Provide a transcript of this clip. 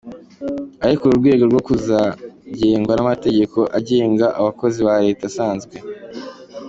Ariko uru rwego rwo ruzagengwa n’amategeko agenga abakozi ba leta asanzwe.